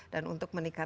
dan untuk kepresiden saya